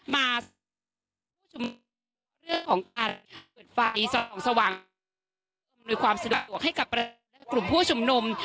มาสร้างความสะดวกให้กับกลุ่มผู้ชมนุม